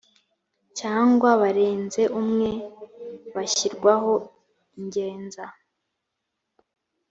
cyangwa barenze umwe bashyirwaho ingenza